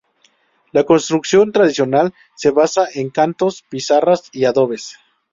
La construcción tradicional se basaba en cantos, pizarras y adobes.